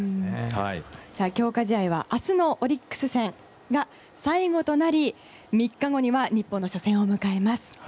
強化試合は明日のオリックス戦が最後となり３日後には日本の初戦を迎えます。